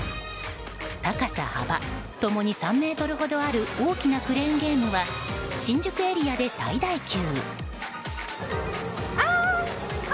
高さ、幅ともに３ｍほどある大きなクレーンゲームは新宿エリアで最大級。